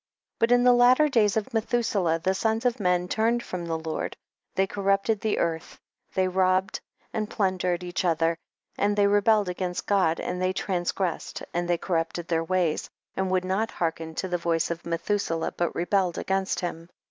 4. But in the latter days of Me thuselah, the sons of men turned from the Lord, they corrupted the earth, they robbed and plundered each otiier, and they rebelled against God and they transgressed, and they corrupted their ways, and would not hearken to the voice of Methuselah, but rebelled against iiim.